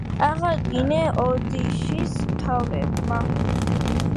აღადგინეს ოდიშის მთავრებმა.